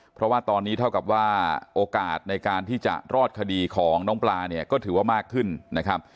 เพราะว่าตอนนี้เท่ากับว่าโอกาสในการที่จะรอดคดีของน้องปลาเนี่ยก็ถือว่ามากขึ้นนะครับ